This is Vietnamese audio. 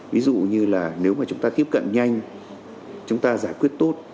ví dụ như là nếu mà chúng ta tiếp cận nhanh chúng ta giải quyết tốt